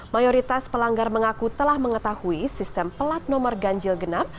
mayoritas pelanggar mengaku telah mengetahui sistem pelat nomor ganjil genap